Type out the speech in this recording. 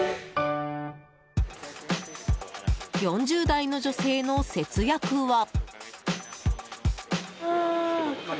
４０代の女性の節約は。